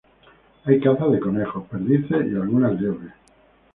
Hay caza de conejos, perdices y algunas liebres.